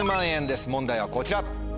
問題はこちら。